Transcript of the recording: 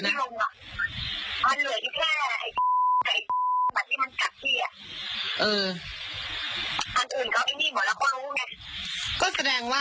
ต้องมีข้อตกลงกัน